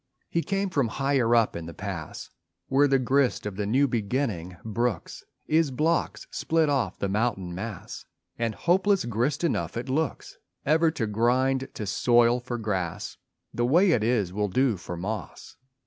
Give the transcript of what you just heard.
He came from higher up in the pass Where the grist of the new beginning brooks Is blocks split off the mountain mass And hopeless grist enough it looks Ever to grind to soil for grass. (The way it is will do for moss.)